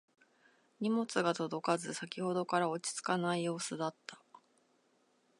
荷物が届かず先ほどから落ち着かない様子だった